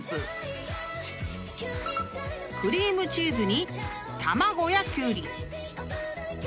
［クリームチーズに卵やキュウリ］